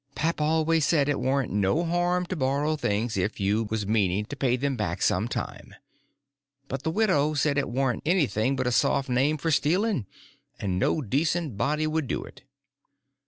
Pap always said it warn't no harm to borrow things if you was meaning to pay them back some time; but the widow said it warn't anything but a soft name for stealing, and no decent body would do it.